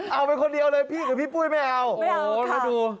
เอาไปคนเดียวเลยพี่กับพี่ปุ้ยไม่เอาโอ้โหแล้วดู